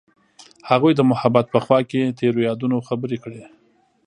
هغوی د محبت په خوا کې تیرو یادونو خبرې کړې.